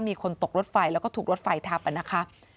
มีคนตกรถไฟแล้วก็ถูกรถไฟทับนะคะ